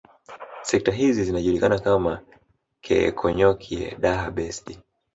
Sekta hizi zinajulikana kama Keekonyokie Daha Besdi